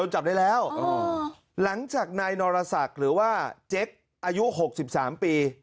หลังจากนายนรสักหรือว่าเจ๊กอายุ๖๓ปี